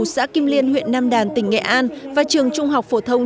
xã kim liên huyện nam đàn tỉnh nghệ an và trường trung học phổ thông